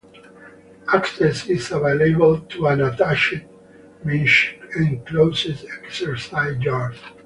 Access is available to an attached, mesh-enclosed, exercise yard.